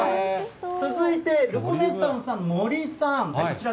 続いて、ルコネッサンスさん、森さん。